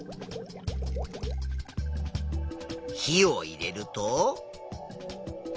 火を入れると。